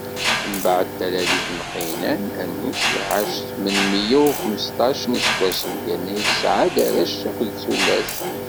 Mbeɛd talalit n Qiynan, Anuc iɛac tmen meyya u xemseṭṭac n iseggasen, yerna yesɛa-d arrac akked tullas.